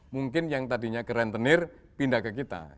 mungkin yang tadinya keren tenir pindah ke kita